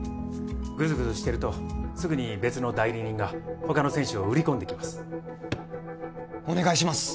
グズグズしてるとすぐに別の代理人が他の選手を売り込んできますお願いします